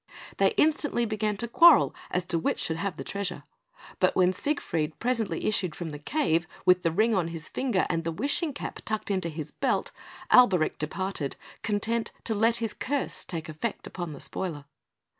They instantly began to quarrel as to which should have the treasure; but when Siegfried presently issued from the cave, with the Ring on his finger and the wishing cap tucked into his belt, Alberic departed, content to let his curse take effect upon the spoiler.